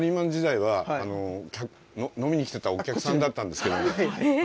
サラリーマン時代は、飲みに来てたお客さんだったんですけれども。